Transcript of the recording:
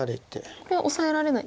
これはオサえられない。